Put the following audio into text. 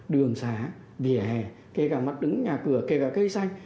đường xá vỉa hè kể cả mặt đứng nhà cửa kể cả cây xanh